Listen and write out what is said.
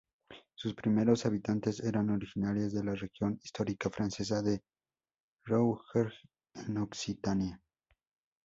Sus primeros habitantes eran originarios de la región histórica francesa del Rouergue en Occitania.